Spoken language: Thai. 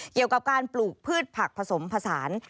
เกี่ยวกับการปลูกพืชผักผสมผสาน